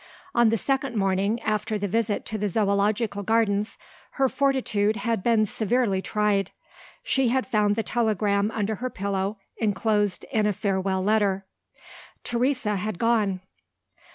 On the second morning after the visit to the Zoological Gardens, her fortitude had been severely tried. She had found the telegram under her pillow, enclosed in a farewell letter. Teresa had gone.